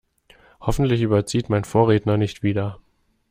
Hoffentlich überzieht mein Vorredner nicht wieder.